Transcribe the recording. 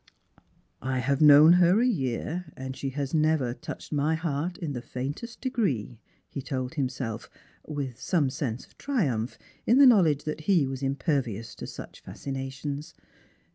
*' I have known her a year, and she has never touched my heart in the faintest degree," he told himself, with some sense of triumph in the knowledge that he was impervious to such, fascinations.